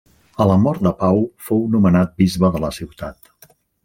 A la mort de Pau fou nomenat bisbe de la ciutat.